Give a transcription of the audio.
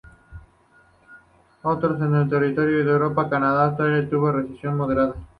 En otros territorios de Europa, Canadá y Australia tuvo una recepción moderada.